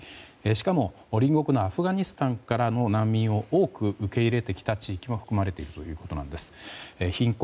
しかも、隣国のアフガニスタンからの難民を多く受け入れてきた地域も含まれているということなんです。